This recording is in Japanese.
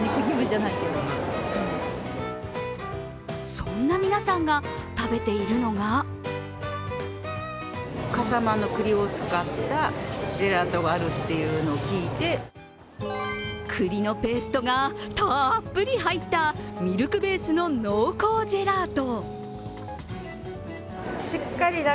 そんな皆さんが食べているのが栗のペーストがたっぷり入ったミルクベースの濃厚ジェラート。